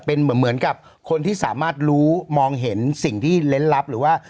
เป็นเหมือนกับคนที่สามารถรู้มองเห็นสิ่งที่เล่นลับหรือว่า